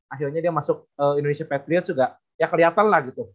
akhirnya dia masuk indonesia patriots juga ya kelihatan lah gitu